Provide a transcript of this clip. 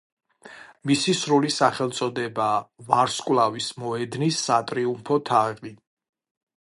მისი სრული სახელწოდებაა „ვარსკვლავის მოედნის სატრიუმფო თაღი“.